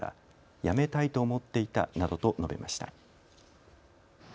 辞めたいと思っていたなどと述べました。